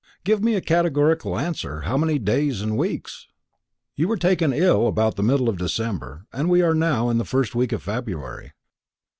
"Give me a categorical answer. How many weeks and days?" "You were taken ill about the middle of December, and we are now in the first week of February."